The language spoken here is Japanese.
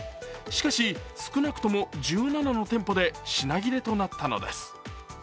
しかし少なくとも１７の店舗で品切れとなったのです。